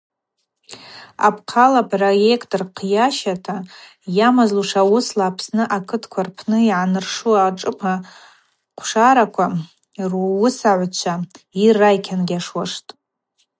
Апхъахьыла апроект рхъйащата йамазлуш ауысла Апсны акытква рпны йгӏаныршу ашӏыпӏа хъвшараква руысхагӏвчва йрайкьангьашуаштӏ.